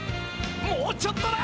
もうちょっとだ！